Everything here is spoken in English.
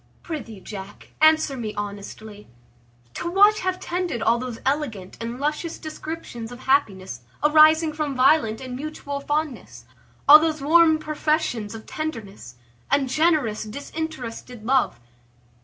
Prithee, Jack, answer me honestly; to what have tended all those elegant and luscious descriptions of happiness arising from violent and mutual fondness? all those warm professions of tenderness, and generous disinterested love?